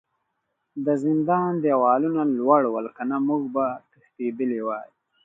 د زندان دیوالونه لوړ ول کنه موږ به تښتیدلي وای